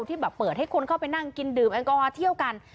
ที่แบบเปิดให้คนเข้าไปนั่งกินดื่มแอลกอฮอล์เที่ยวกัน